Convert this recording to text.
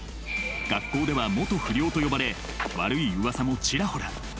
学校では「元不良」と呼ばれ悪いうわさもちらほら。